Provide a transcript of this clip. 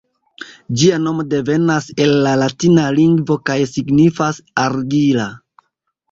Ĝia nomo devenas el la latina lingvo kaj signifas "argila".